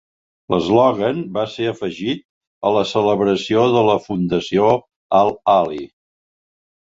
L'eslògan va ser afegit a la celebració de la Fundació al Ahly.